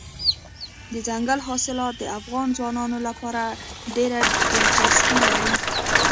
دځنګل حاصلات د افغان ځوانانو لپاره ډېره دلچسپي لري.